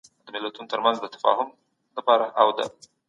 د تاريخي تفکر له مخې، زموږ ذهنيت بدل سوی دی.